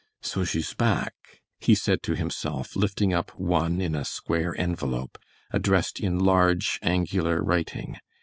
"So she's back," he said to himself, lifting up one in a square envelope, addressed in large, angular writing.